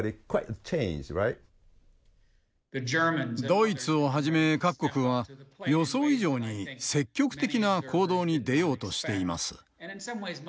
ドイツをはじめ各国は予想以上に積極的な行動に出ようとしています。